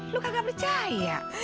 lo kagak percaya